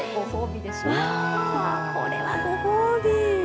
これはご褒美！